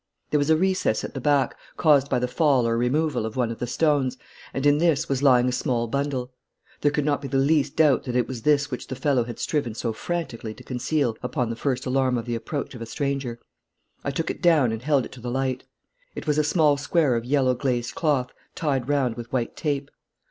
There was a recess at the back, caused by the fall or removal of one of the stones, and in this was lying a small bundle. There could not be the least doubt that it was this which the fellow had striven so frantically to conceal upon the first alarm of the approach of a stranger. I took it down and held it to the light. It was a small square of yellow glazed cloth tied round with white tape.